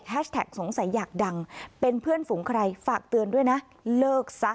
สงสัยอยากดังเป็นเพื่อนฝูงใครฝากเตือนด้วยนะเลิกซะ